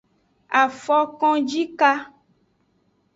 Afokonjika.